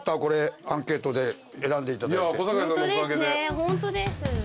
ホントです。